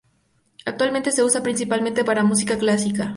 Actualmente, se usa principalmente para música clásica.